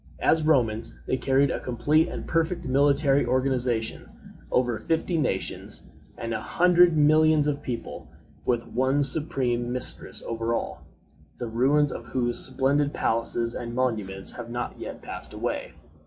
As Romans, they carried a complete and perfect military organization over fifty nations and a hundred millions of people, with one supreme mistress over all, the ruins of whose splendid palaces and monuments have not yet passed away.